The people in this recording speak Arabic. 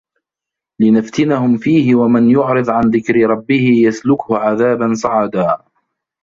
لنفتنهم فيه ومن يعرض عن ذكر ربه يسلكه عذابا صعدا